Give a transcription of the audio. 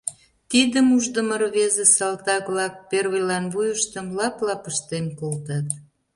Тидым уждымо рвезе салтак-влак первыйлан вуйыштым лап, лап ыштен колтат.